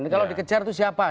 kalau dikejar itu siapa